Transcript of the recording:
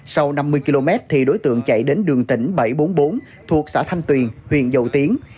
sau năm mươi km thì đối tượng chạy đến đường tỉnh bảy trăm bốn mươi bốn thuộc xã thanh tuyền huyện dầu tiến